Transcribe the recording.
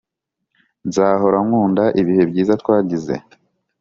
nzahora nkunda ibihe byiza twagize.